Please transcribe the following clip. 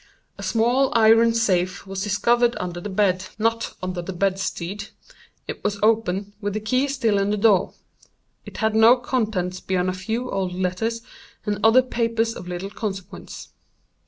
A small iron safe was discovered under the bed (not under the bedstead). It was open, with the key still in the door. It had no contents beyond a few old letters, and other papers of little consequence.